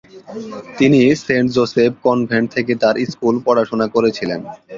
তিনি Saint Joseph Convent থেকে তার স্কুল পড়াশোনা করেছিলেন।